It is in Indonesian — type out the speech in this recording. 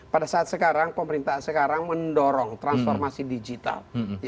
pada saat sekarang pemerintah sekarang mendorong transformasi digital